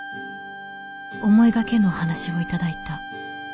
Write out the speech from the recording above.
思いがけぬお話を頂いた」。